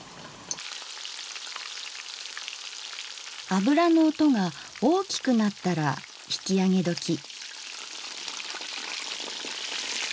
油の音が大きくなったら引き上げどき。